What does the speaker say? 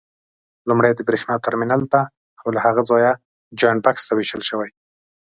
لومړی د برېښنا ترمینل ته او له هغه ځایه جاینټ بکس ته وېشل شوي.